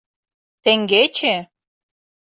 Теҥгече?